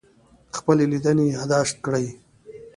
خپلې لیدنې یادداشت کړئ.